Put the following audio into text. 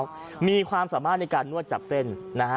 แล้วมีความสามารถในการนวดจับเส้นนะฮะ